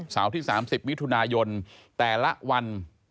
เสาร์ที่๓๐วิทุนายนแต่ละวัน